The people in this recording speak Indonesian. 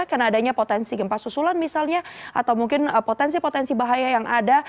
karena adanya potensi gempa susulan misalnya atau mungkin potensi potensi bahaya yang ada